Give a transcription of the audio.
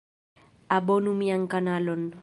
Abonu mian kanalon